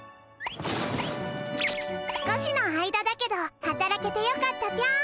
少しの間だけどはたらけてよかったぴょん。